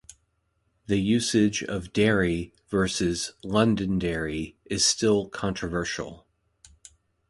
The usage of "Derry" versus "Londonderry" is still controversial.